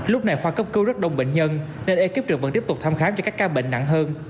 lúc này khoa cấp cứu rất đông bệnh nhân nên ekip trực vẫn tiếp tục thăm khám cho các ca bệnh nặng hơn